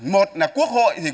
một là quốc hội